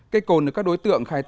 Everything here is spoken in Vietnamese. cây cồn được các đối tượng khai lực